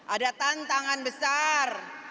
ada tantangan besar